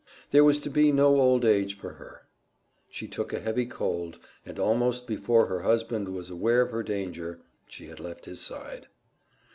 There was to be no old age for her. She took a heavy cold, and almost before her husband was aware of her danger, she had left his side.